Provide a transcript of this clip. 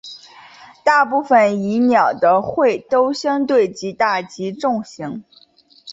大部份蚁鸟的喙都相对较大及重型。